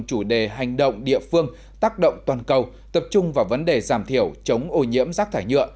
chủ đề hành động địa phương tác động toàn cầu tập trung vào vấn đề giảm thiểu chống ô nhiễm rác thải nhựa